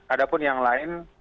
ada pun yang lain